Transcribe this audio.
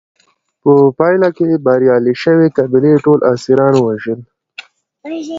په پایله کې به بریالۍ شوې قبیلې ټول اسیران وژل.